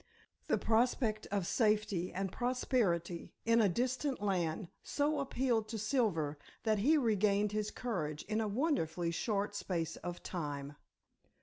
The prospect of safety and prosperity in a distant land so appealed to Silver that he regained his courage in a wonderfully short space of time.